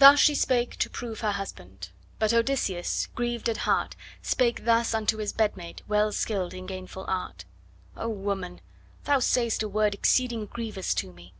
Thus she spake to prove her husband; but Odysseus, grieved at heart, Spake thus unto his bed mate well skilled in gainful art: 'O woman, thou sayest a word exceeding grievous to me!